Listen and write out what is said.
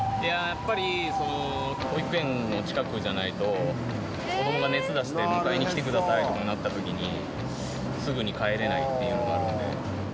やっぱりその保育園の近くじゃないと子どもが熱出して迎えに来てくださいとかになった時にすぐに帰れないっていうのがあるので。